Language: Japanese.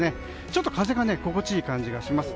ちょっと風が心地いい感じがします。